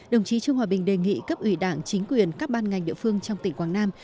đồng chí trương hòa bình đề nghị cấp ủy đảng chính quyền các ban ngành địa phương trong tỉnh quảng nam